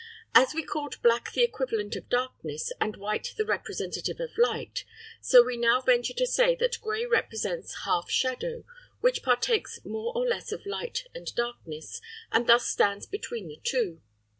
As we called black the equivalent of darkness, and white the representative of light (18), so we now venture to say that grey represents half shadow, which partakes more or less of light and darkness, and thus stands between the two.